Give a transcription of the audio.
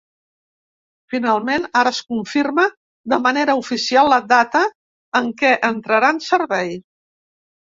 Finalment ara es confirma de manera oficial la data en què entrarà en servei.